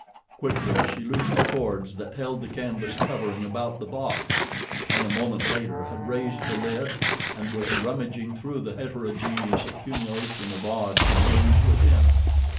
Quickly she loosed the cords that held the canvas covering about the box, and a moment later had raised the lid and was rummaging through the heterogeneous accumulation of odds and ends within.